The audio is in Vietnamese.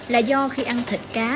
là do khi ăn thịt cá